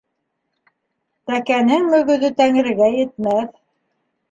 Тәкәнең мөгөҙө Тәңрегә етмәҫ.